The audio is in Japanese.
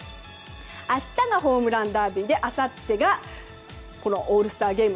明日がホームランダービーであさってがオールスターゲーム。